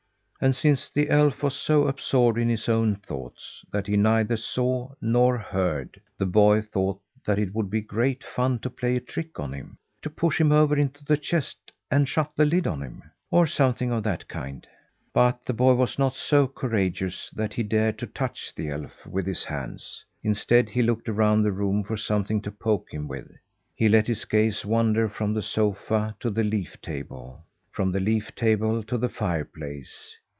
And since the elf was so absorbed in his own thoughts that he neither saw nor heard, the boy thought that it would be great fun to play a trick on him; to push him over into the chest and shut the lid on him, or something of that kind. But the boy was not so courageous that he dared to touch the elf with his hands, instead he looked around the room for something to poke him with. He let his gaze wander from the sofa to the leaf table; from the leaf table to the fireplace.